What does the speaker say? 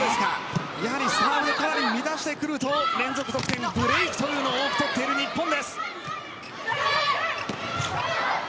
やはりサーブで乱してくると連続得点、ブレークというのを多く取っている日本です。